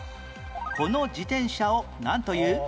この自転車をなんという？